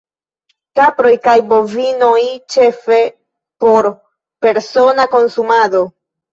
Kaproj kaj bovinoj ĉefe por persona konsumado.